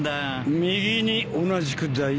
右に同じくだよ。